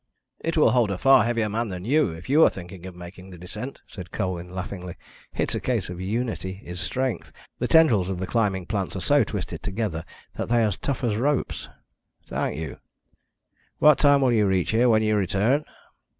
"It will hold a far heavier man than you, if you are thinking of making the descent," said Colwyn laughingly. "It's a case of unity is strength. The tendrils of the climbing plants are so twisted together that they are as tough as ropes." "Thank you. What time will you reach here when you return?"